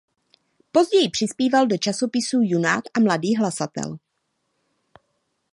Později přispíval do časopisů Junák a Mladý hlasatel.